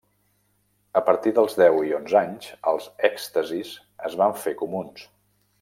A partir dels deu i onze anys els èxtasis es van fer comuns.